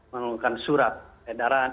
menggunakan surat edaran